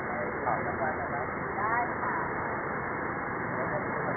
ขอบคุณที่ทำดีดีกับแม่ของฉันหน่อยครับ